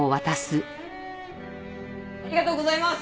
ありがとうございます。